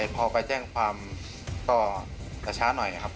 พอไปแจ้งความก็จะช้าหน่อยครับ